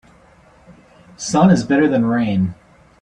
Sun is better than rain.